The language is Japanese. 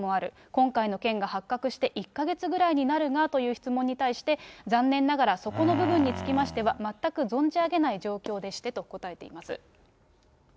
今回の件が発覚して１か月ぐらいになるなあという質問に対して、残念ながら、そこの部分につきましては、全く存じ上げない状況でしてと答えて